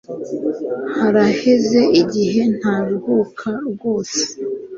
Haraheze igihe ntaruhuka rwose.